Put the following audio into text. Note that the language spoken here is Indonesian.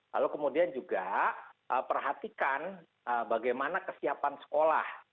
lalu kemudian juga perhatikan bagaimana kesiapan sekolah